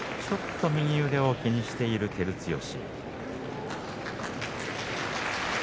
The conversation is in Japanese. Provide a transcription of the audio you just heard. ちょっと右腕を気にしている照強。